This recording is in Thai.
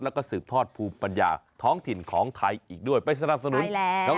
แล้วก็สืบทอดภูมิปัญญาท้องถิ่นของไทยอีกด้วยไปสนับสนุนแล้ว